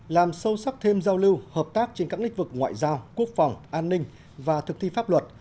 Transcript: làm sâu sắc thêm giao lưu hợp tác trên các lĩnh vực ngoại giao quốc phòng an ninh và thực thi pháp luật